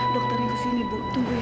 dokternya kesini bu tunggu ya bu